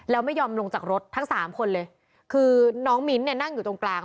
แล้วไม่ยอมลงจากรถทั้งสามคนเลยคือน้องมิ้นท์เนี่ยนั่งอยู่ตรงกลาง